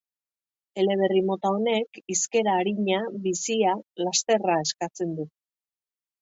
Eleberri mota honek hizkera arina, bizia, lasterra eskatzen du.